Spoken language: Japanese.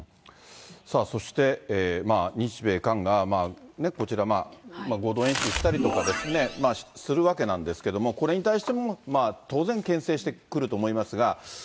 そして日米韓がこちら、合同演習したりとかですね、するわけなんですけれども、これに対しても当然、けん制してくると思いますが。